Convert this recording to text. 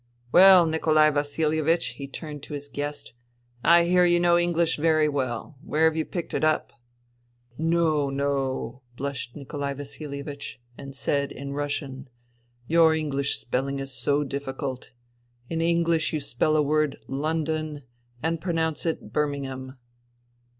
Well, Nikolai VasiHevich," he turned to his guest. " I hear you know English very w^ell. Where have you picked it up ?"" No, no," blushed Nikolai VasiHevich ; and said in Russian, " Your English spelling is so difficult. In English you spell a word ' London ' and pro nounce it ' Birmingham.'